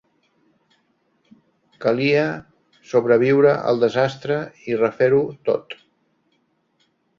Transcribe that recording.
Calia sobreviure al desastre i refer-ho tot.